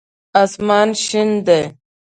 اسمان شین دی